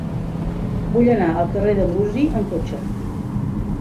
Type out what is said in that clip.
Vull anar al carrer de Brusi amb cotxe.